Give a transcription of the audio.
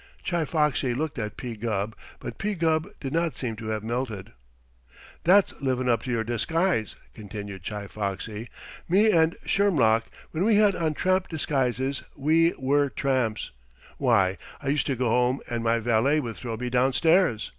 Chi Foxy looked at P. Gubb, but P. Gubb did not seem to have melted. "That's livin' up to your disguise," continued Chi Foxy. "Me and Shermlock, when we had on tramp disguises we were tramps. Why, I used to go home and my valet would throw me downstairs.